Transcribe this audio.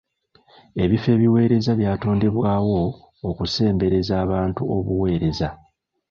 Ebifo ebiweereza byatondebwawo okusembereza abantu obuweereza.